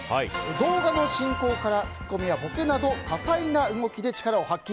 動画の進行からツッコミやボケなど多彩な動きで力を発揮。